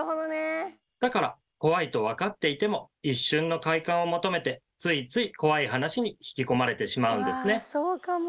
だから怖いと分かっていても一瞬の快感を求めてついつい怖い話に引き込まれてしまうんですね。